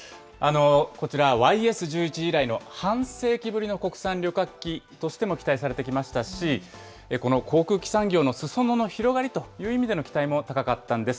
こちら、ＹＳ１１以来の半世紀ぶりの国産旅客機としても期待されてきましたし、この航空機産業のすそ野の広がりという意味での期待も高かったんです。